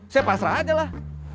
saya bahas rakyatnya lah